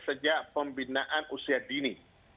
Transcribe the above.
sejak pembinaan usia dini